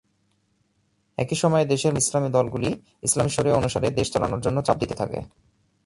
একই সময়ে দেশের মধ্যপন্থী ইসলামী দলগুলি ইসলামী শরিয় অনুসারে দেশ চালানোর জন্য চাপ দিতে থাকে।